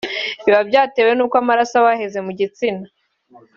biba byatewe n’uko amaraso aba yaheze mu gitsina